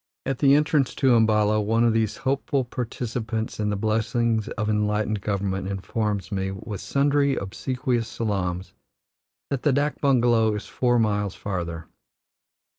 At the entrance to Umballa one of these hopeful participants in the blessings of enlightened government informs me, with sundry obsequious salaams, that the dak bungalow is four miles farther.